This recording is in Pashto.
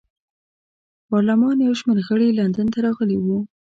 پارلمان یو شمېر غړي لندن ته راغلي وو.